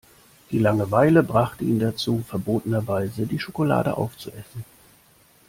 Die Langeweile brachte ihn dazu, verbotenerweise die Schokolade aufzuessen.